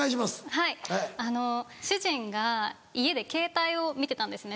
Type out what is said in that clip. はい主人が家でケータイを見てたんですね